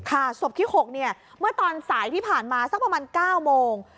ศพที่๖เนี่ยเมื่อตอนสายที่ผ่านมาสักประมาณ๙โมง